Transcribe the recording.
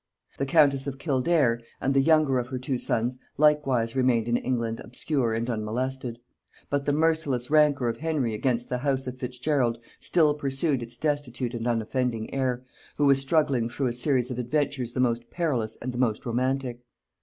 The countess of Kildare, and the younger of her two sons, likewise remained in England obscure and unmolested; but the merciless rancour of Henry against the house of Fitzgerald still pursued its destitute and unoffending heir, who was struggling through a series of adventures the most perilous and the most romantic.